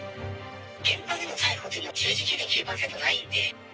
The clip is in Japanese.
現場での逮捕というのは９９．９％ないんで。